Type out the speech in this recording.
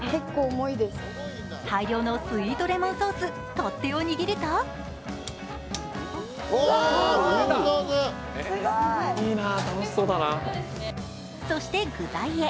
大量のスイートレモンソース取っ手を握るとそして具材へ。